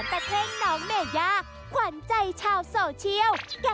แล้วต้องร้องโอ้วว้ายกันเลยล่ะค่ะ